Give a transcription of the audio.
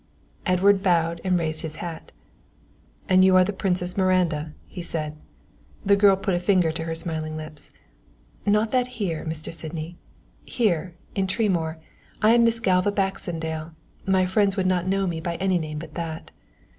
Edward bowed and raised his hat. "And you are the Princess Miranda," he said. The girl put a finger to her smiling lips. "Not that here, Mr. Sydney here, in Tremoor, I am Miss Galva Baxendale my friends would not know me by any name but that."